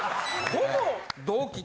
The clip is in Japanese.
ほぼ同期。